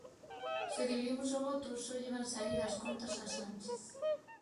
Se dividimos o voto só lle van saír as contas a Sánchez.